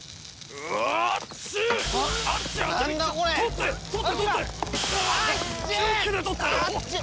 うわっ！？